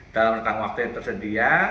dalam rentang waktu yang tersedia